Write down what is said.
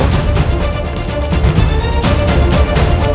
ya allah dewa